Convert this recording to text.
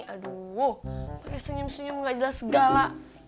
aduh wah senyum senyum gak jelas segala